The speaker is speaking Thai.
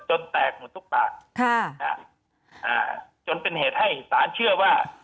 แตกหมดทุกปากจนเป็นเหตุให้สารเชื่อว่า